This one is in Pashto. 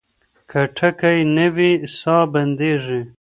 که ټکی نه وي ساه بندېږي.